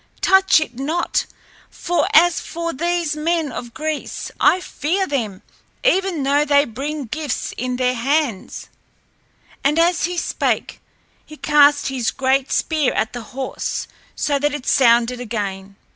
Touch it not, for as for these men of Greece, I fear them, even though they bring gifts in their hands." And as he spake he cast his great spear at the horse, so that it sounded again.